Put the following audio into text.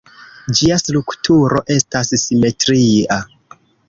Ĝia strukturo estas simetria.